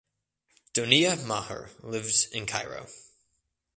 Donia Maher lives in Cairo.